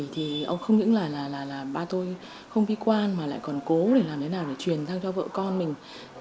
thì ông không những là ba tôi không vi quan mà lại còn cố để làm thế nào để truyền sang cho vợ con mình